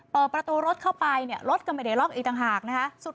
เปิดประตูรถเข้าไปเนี่ยรถก็ไม่ได้ล็อกอีกต่างหากนะคะ